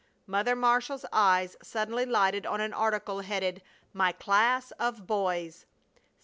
Mother Marshall's eyes suddenly lighted on an article headed, "My Class of Boys."